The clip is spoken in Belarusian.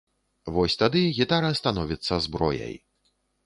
Вось тады гітара становіцца зброяй.